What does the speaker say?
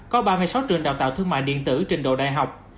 có ba mươi sáu trường đào tạo thương mại điện tử trình độ đại học